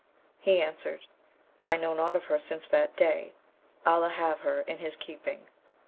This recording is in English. He answered, 'I know nought of her since that day. Allah have her in his keeping!'